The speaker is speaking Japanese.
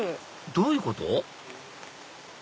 どういうこと？